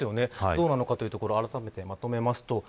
どうなのかというところあらためてまとめました。